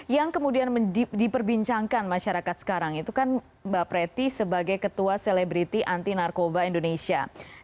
yang kemudian diperbincangkan masyarakat sekarang itu kan mbak preti sebagai ketua selebriti anti narkoba indonesia